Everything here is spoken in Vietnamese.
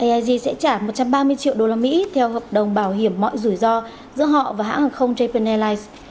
aig sẽ trả một trăm ba mươi triệu usd theo hợp đồng bảo hiểm mọi rủi ro giữa họ và hãng hàng không japan airlines